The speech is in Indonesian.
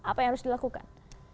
apa yang harus dilakukan